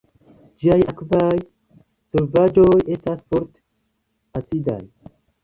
Ĝiaj akvaj solvaĵoj estas forte acidaj.